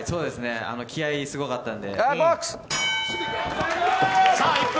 気合いすごかったんで。